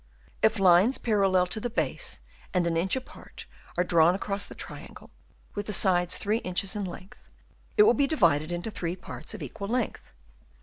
If lines parallel to the base and an inch apart, are drawn across a triangle with the sides three inches in length, it will be divided into three parts of equal length.